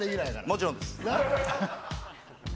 もちろんです。